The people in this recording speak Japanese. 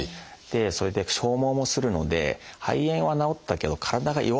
それで消耗もするので肺炎は治ったけど体が弱くなりますと。